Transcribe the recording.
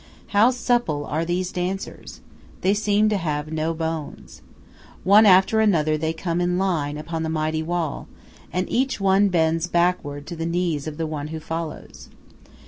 How supple are these dancers! They seem to have no bones. One after another they come in line upon the mighty wall, and each one bends backward to the knees of the one who follows.